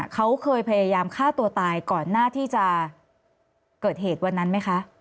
เขาเคยพยายามฆ่าตัวตายก่อนหน้าที่จะเกิดเหตุวันนั้นไหมคะ